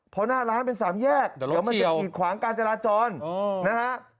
เพราะหน้าร้านเป็นสามแยกเดี๋ยวมันจะกีดขวางการจราจรนะฮะ